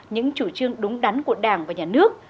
những chủ trương đúng đắn của đảng và nhà nước